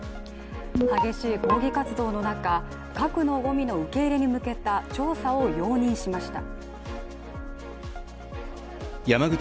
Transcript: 激しい抗議活動の中、核のごみの受け入れに向けた調査を容認しました。